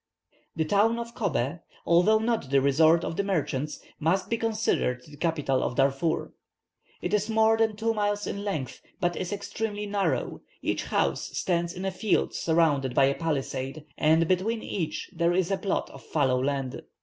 The town of Cobbeh, although not the resort of the merchants, must be considered the capital of Darfur. It is more than two miles in length, but is extremely narrow, each house stands in a field surrounded by a palisade, and between each there is a plot of fallow land.